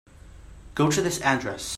Go to this address.